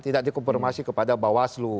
tidak dikonfirmasi kepada bawaslu